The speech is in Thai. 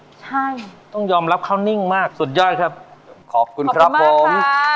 ใช่ต้องยอมรับเข้านิ่งมากสุดยอดครับราคาต่อมานะคะขอบคุณครับผม